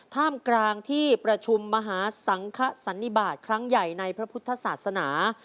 ท่ามกลางที่ประชุมมหาสังคสันนิบาทครั้งใหญ่ในพระพุทธศาสนา